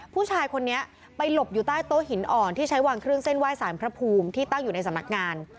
ผู้ชายคนนี้ไปหลบอยู่ใต้โต๊ะหินอ่อนที่ใช้วางเครื่องเส้นไหว้สารพระภูมิที่ตั้งอยู่ในสำนักงาน